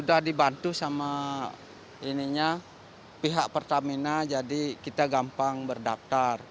sudah dibantu sama pihak pertamina jadi kita gampang berdaftar